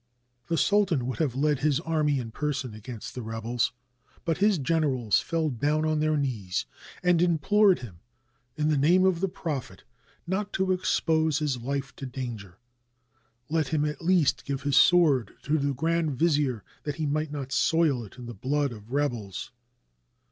The sultan would have led his army in person against the rebels, but his generals fell down on their knees and implored him in the name of the Prophet not to expose his life to danger. Let him at least give his sword to the grand vizier, that he might not soil it in the blood of rebels.